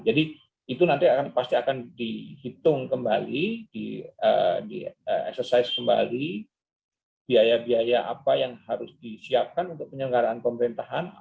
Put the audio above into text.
jadi itu nanti pasti akan dihitung kembali di exercise kembali biaya biaya apa yang harus disiapkan untuk penyelenggaraan pemerintahan